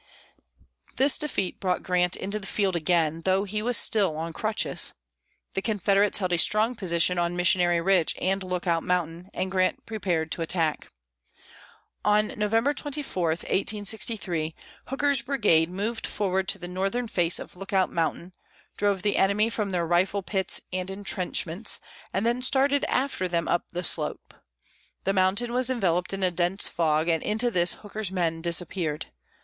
This defeat brought Grant into the field again, though he was still on crutches. The Confederates held a strong position on Missionary Ridge and Lookout Mountain, and Grant prepared to attack. On November 24, 1863, Hooker's brigade moved forward to the northern face of Lookout Mountain, drove the enemy from their rifle pits and intrenchments, and then started after them up the slope. The mountain was enveloped in a dense fog, and into this Hooker's men disappeared.